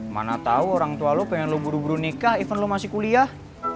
mana tau orang tua lo pengen lo buru buru nikah event lo masih kuliah